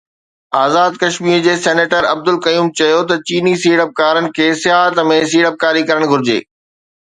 آزاد ڪشمير جي سينيٽر عبدالقيوم چيو ته چيني سيڙپڪارن کي سياحت ۾ سيڙپڪاري ڪرڻ گهرجي